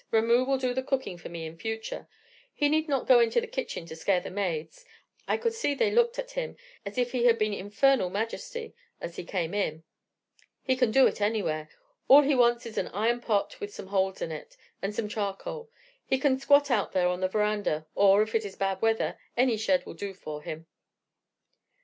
Ramoo will do the cooking for me in future. He need not go into the kitchen to scare the maids. I could see they looked at him as if he had been his infernal majesty, as he came in. He can do it anywhere; all he wants is an iron pot with some holes in it, and some charcoal. He can squat out there on the veranda, or, if it is bad weather, any shed will do for him.